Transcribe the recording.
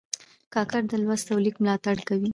کاکړ د لوست او لیک ملاتړ کوي.